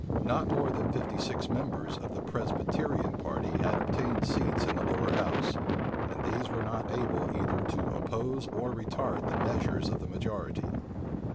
Not more than fifty six members of the Presbyterian party had obtained seats in the lower house; [*] and these were not able either to oppose or retard the measures of the majority.